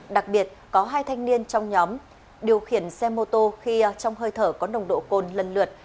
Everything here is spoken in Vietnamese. đặc biệt có hai thanh niên trong nhóm điều khiển xe mô tô khi trong hơi thở có nồng độ cồn lần lượt